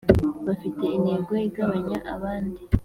bafite intego igabanya abandi